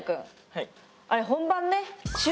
はい。